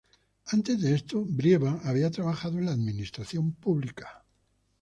Antes de esto Brieva había trabajado en la administración pública.